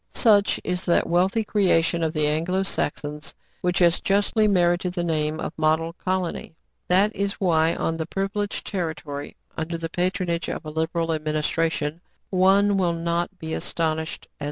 Such is that wealthy creation of the Anglo Saxons, which has justly merited the name of " Model Colony.*' That is why, on this privileged territory, under the patronage of a liberal administration, one will not be astonished, as M.